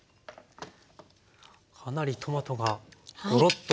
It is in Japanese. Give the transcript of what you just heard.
かなりトマトがゴロッと。